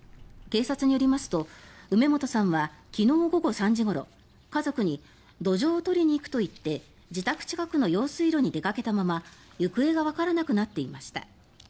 警察によりますと梅本さんは昨日午後３時ごろ家族にドジョウを取りに行くと言って自宅近くの用水路に出かけたまま行方がわからなくなっていました。